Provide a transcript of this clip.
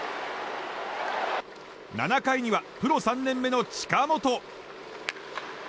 ７回にはプロ３年目の近本。